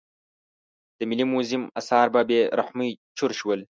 د ملي موزیم اثار په بې رحمۍ چور شول.